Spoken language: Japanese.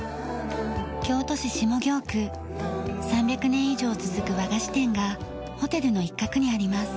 ３００年以上続く和菓子店がホテルの一角にあります。